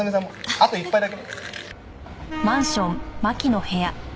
あと１杯だけ。